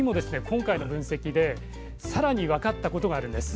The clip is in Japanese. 今回の分析でさらに分かったことがあるんです。